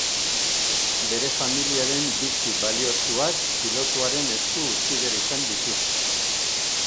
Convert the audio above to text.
Bere familiaren bitxi baliotsuak pilotuaren esku utzi behar izan ditut.